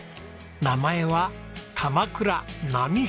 名前は「鎌倉波平」。